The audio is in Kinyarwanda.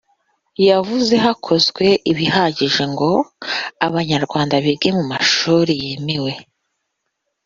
yavuze hakozwe ibihagije ngo abanyarwanda bige mu mashuri yemewe